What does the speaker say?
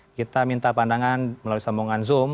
kita minta pandangan melalui sambungan zoom